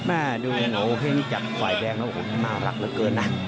หนูโอเฮ้งจากฝ่ายแดงน่ารักเหลือเกินนะ